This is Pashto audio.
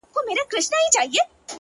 • د طبیعت په تقاضاوو کي یې دل و ول کړم،